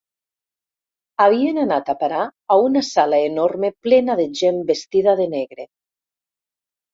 Havien anat a parar a una sala enorme plena de gent vestida de negre.